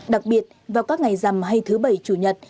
đặc biệt vào các ngày rằm hay thứ bảy chủ nhật